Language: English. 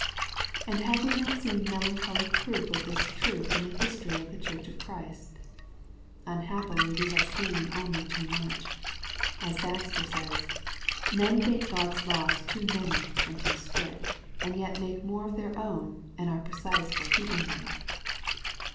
And have we not seen melancholy proof of this truth, in the history of the Church of Christ ? Unhappily we have seen only too much. As Baxter says, "men think God's laws too many and too strict, and yet make more of their own, and are precise for keeping them."